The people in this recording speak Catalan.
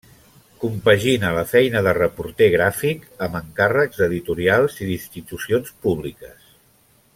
Compagina la feina de reporter gràfic amb encàrrecs d'editorials i d'institucions públiques.